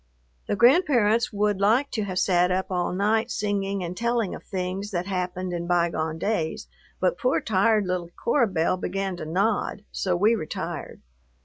The grandparents would like to have sat up all night singing and telling of things that happened in bygone days, but poor tired little Cora Belle began to nod, so we retired.